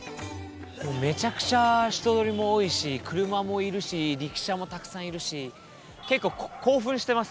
もうめちゃくちゃ人通りも多いし車もいるしリキシャもたくさんいるし結構興奮してます。